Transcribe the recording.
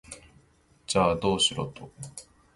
じゃあ、どうしろと？